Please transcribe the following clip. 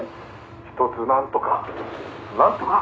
「ひとつなんとかなんとか！」